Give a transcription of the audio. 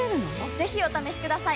ぜひお試しください！